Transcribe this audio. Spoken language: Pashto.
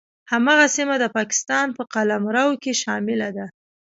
هغه سیمه د پاکستان په قلمرو کې شامله ده.